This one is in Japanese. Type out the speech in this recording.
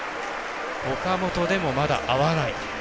岡本でも、まだ合わない。